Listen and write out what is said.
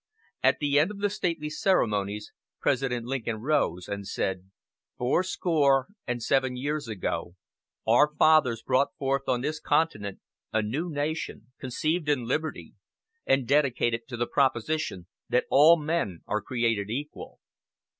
At the end of the stately ceremonies President Lincoln rose and said: "Fourscore and seven years ago our fathers brought forth on this continent a new nation, conceived in liberty, and dedicated to the proposition that all men are created equal.